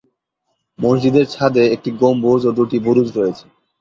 মসজিদের ছাদে একটি গম্বুজ ও দুটি বুরুজ রয়েছে।